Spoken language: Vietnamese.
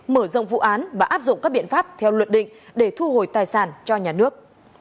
mở rộng vụ án và áp dụng các biện pháp theo luật định để thu hồi tài sản cho nhà nước